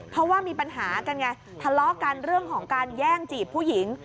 เพราะว่ามีปัญหากันไงทะเลาะกันเรื่องของการแย่งจีบผู้หญิง